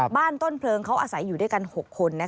ต้นเพลิงเขาอาศัยอยู่ด้วยกัน๖คน